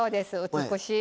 美しい。